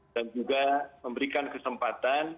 dan juga memberikan kesempatan